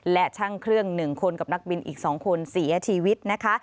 และช่างเครื่อง๑คนกับนักบินอีก๒คนเสียชีวิตนะคะ